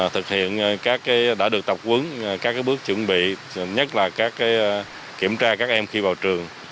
thực hiện các bước chuẩn bị nhất là kiểm tra các em khi vào trường